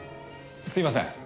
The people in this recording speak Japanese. すいません。